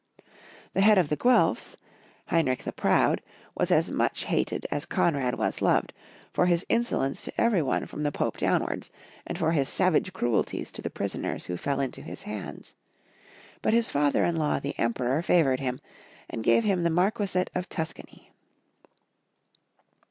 The head of the Guelfs, Heinrich the Proud, was as much hated as Konrad was loved, for his inso lence to every one from the Pope downwards, and for his savage cruelties to the prisoners who fell into his hands ; but his father in law the Emperor favored him, and gave him the Marquisate of Tuscany.